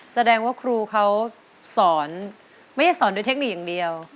แสดงว่าครูเขาสอนไม่ใช่สอนด้วยเทคนิคอย่างเดียว